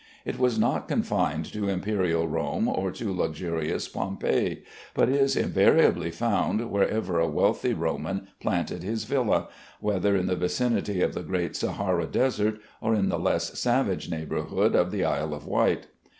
It was not confined to Imperial Rome or to luxurious Pompeii, but is invariably found wherever a wealthy Roman planted his villa, whether in the vicinity of the great Sahara Desert, or in the less savage neighborhood of the Isle of Wight.